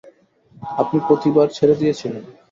আপনি প্রতিবার ছেড়ে দিয়েছিলেন।